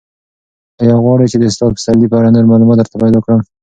ایا غواړې چې د استاد پسرلي په اړه نور معلومات درته پیدا کړم؟